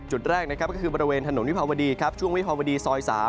จุดแรกนะครับก็คือบริเวณถนนวิภาวดีครับช่วงวิภาวดีซอย๓